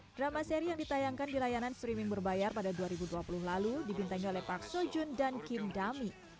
drama seri yang ditayangkan di layanan streaming berbayar pada dua ribu dua puluh lalu dibintangin oleh park seo joon dan kim da mi